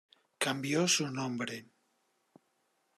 Cambió su nombre.